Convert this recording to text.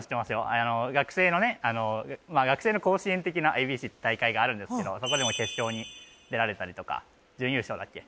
あの学生のねあの学生の甲子園的なａｂｃって大会があるんですけどそこでも決勝に出られたりとか準優勝だっけ？